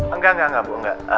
enggak enggak enggak bu